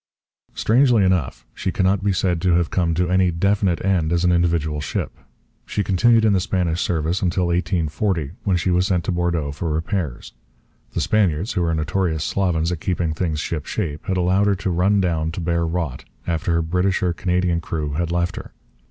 Strangely enough, she cannot be said to have come to any definite end as an individual ship. She continued in the Spanish service till 1840, when she was sent to Bordeaux for repairs. The Spaniards, who are notorious slovens at keeping things shipshape, had allowed her to run down to bare rot after her Britisher Canadian crew had left her.